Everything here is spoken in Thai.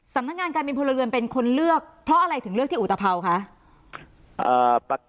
สำนักงานการบินพลเรือนเป็นคนเลือกเพราะอะไรถึงเลือกที่อุตภาวคะ